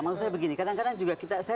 maksud saya begini kadang kadang juga kita